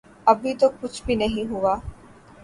ابھی تو کچھ بھی نہیں ہوا۔